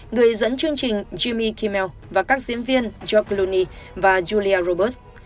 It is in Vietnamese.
người dẫn chương trình jimmy kimmel và các diễn viên joe clooney và julia roberts